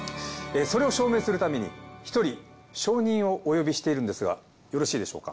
それを証明するために１人証人をお呼びしているんですがよろしいでしょうか？